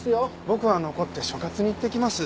僕は残って所轄に行ってきます。